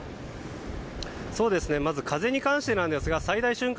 まず風に関してなんですが最大瞬間